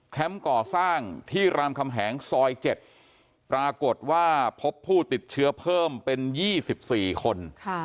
ก่อสร้างที่รามคำแหงซอย๗ปรากฏว่าพบผู้ติดเชื้อเพิ่มเป็น๒๔คน